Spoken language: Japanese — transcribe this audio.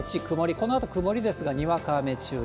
このあと曇りですが、にわか雨注意。